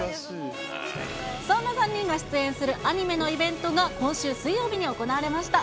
そんな３人が出演するアニメのイベントが、今週水曜日に行われました。